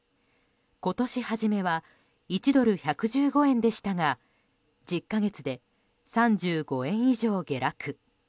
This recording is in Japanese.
今年初めは１ドル＝１１５円でしたが１０か月で３５円以上、下落。